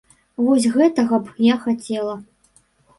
Вось гэтага б я хацела.